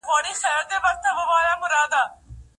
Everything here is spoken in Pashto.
شنې سبزیجات د پوستکي د ناروغیو مخه نیسي.